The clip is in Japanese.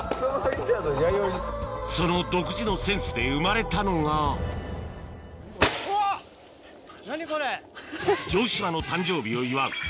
その独自のセンスで生まれたのが何これ！